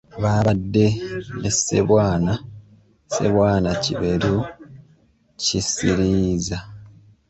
Baabadde ne Ssebwana Ssebwana Kiberu Kisiriiza.